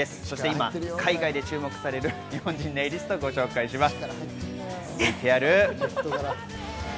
今海外で注目される日本人ネイリストをご紹介します。